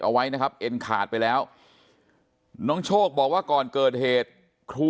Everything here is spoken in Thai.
เอาไว้นะครับเอ็นขาดไปแล้วน้องโชคบอกว่าก่อนเกิดเหตุครู